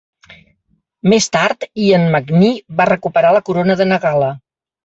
Més tard, Ian McNee va recuperar la corona de Nagala.